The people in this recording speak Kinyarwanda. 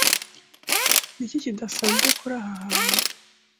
Ni iki kidasanzwe kuri aha hantu?